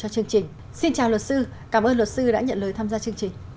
xin chào luật sư cảm ơn luật sư đã nhận lời tham gia chương trình